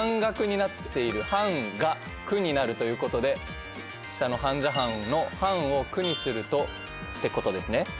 「はん」が「く」になるということで下の「はんじゃはん」の「はん」を「く」にするとってことですね。